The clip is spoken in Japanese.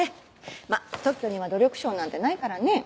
まっ特許には努力賞なんてないからね。